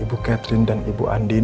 ibu catherine dan ibu andin